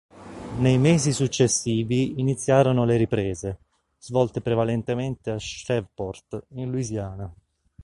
Nei mesi successivi iniziarono le riprese, svolte prevalentemente a Shreveport, in Louisiana.